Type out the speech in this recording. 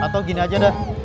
atau gini aja deh